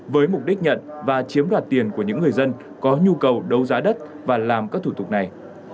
với mục đích nhận và chiếm đoạt tiền của những người dân có nhu cầu đấu giá đất và làm các thủ tục này